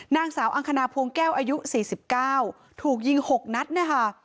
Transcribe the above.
นางสาวอังคณาพวงแก้วอายุสี่สิบเก้าถูกยิงหกนัดนะคะ